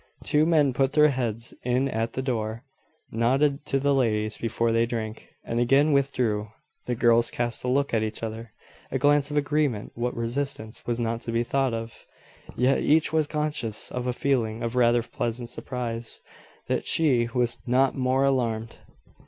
Two men put their heads in at the door, nodded to the ladies before they drank, and again withdrew. The girls cast a look at each other a glance of agreement that resistance was not to be thought of: yet each was conscious of a feeling of rather pleasant surprise that she was not more alarmed.